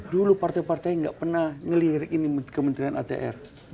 dulu partai partai gak pernah ngelir ini kementerian atr